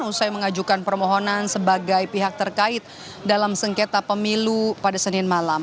usai mengajukan permohonan sebagai pihak terkait dalam sengketa pemilu pada senin malam